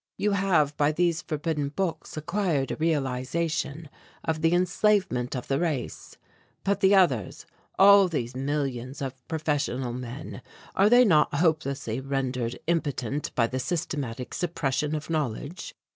You have by these forbidden books acquired a realization of the enslavement of the race but the others, all these millions of professional men, are they not hopelessly rendered impotent by the systematic Suppression of knowledge?"